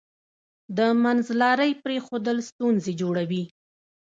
د منځلارۍ پریښودل ستونزې جوړوي.